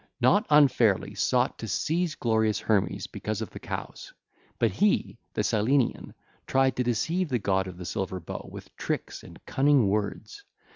((LACUNA)) ....not fairly sought to seize glorious Hermes because of the cows; but he, the Cyllenian, tried to deceive the God of the Silver Bow with tricks and cunning words.